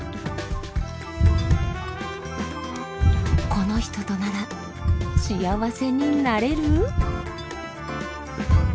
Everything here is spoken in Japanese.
この人となら幸せになれる？